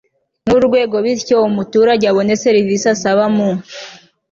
n urwego bityo umuturage abone serivisi asaba mu